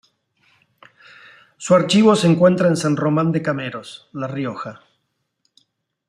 Su archivo se encuentra en San Román de Cameros, La Rioja.